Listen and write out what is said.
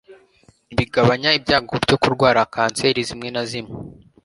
bigabanya ibyago byo kurwara kanseri zimwe na zimwe